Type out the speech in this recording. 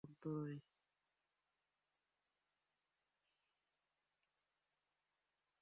বিনা প্রশ্নে কঠিন কঠোর নিয়ম মানার চর্চা শিশুসহ যেকোনো সৃজনশীল বিকাশের অন্তরায়।